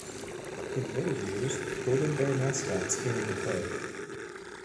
In later years, Golden Bear mascots came into play.